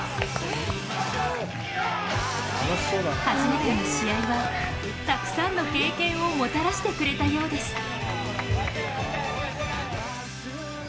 初めての試合はたくさんの経験をもたらしてくれたようです。